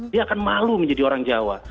dia akan malu menjadi orang jawa